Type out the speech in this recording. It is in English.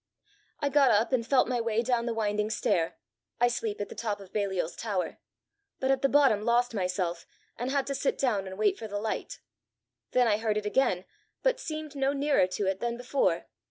"I got up and felt my way down the winding stair I sleep at the top of Baliol's tower but at the bottom lost myself, and had to sit down and wait for the light. Then I heard it again, but seemed no nearer to it than before.